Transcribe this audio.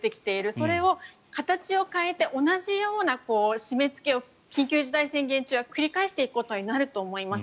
それを形を変えて同じような締めつけを緊急事態宣言中は繰り返していくことになると思います。